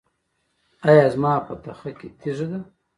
ایا زما په تخه کې تیږه ده؟